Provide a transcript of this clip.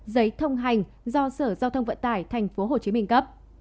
giấy thông hành do sở giao thông vận tải thành phố hồ chí minh cấp